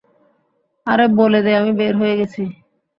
আরে বলে দে আমি বের হয়ে গেছি।